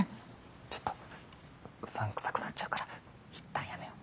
ちょっとうさんくさくなっちゃうからいったんやめよう。